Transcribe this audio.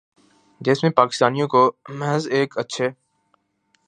جس میں پاکستانیوں کو محض ایک اچھے